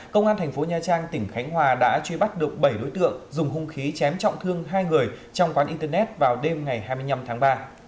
công an thành phố nha trang tỉnh khánh hòa đã truy bắt được bảy đối tượng dùng hung khí chém trọng thương hai người trong quán internet vào đêm ngày hai mươi năm tháng ba